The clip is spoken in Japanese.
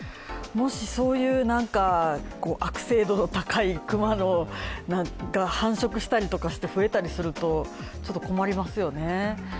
もしそういう悪性度の高い熊が繁殖したりして増えたりすると、ちょっと困りますよね。